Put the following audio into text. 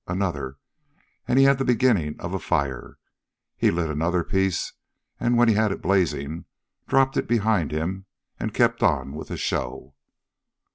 Another, and he had the beginning of a fire. He lit another piece, and, when he had it blazing, dropped it behind him and kept on with the show.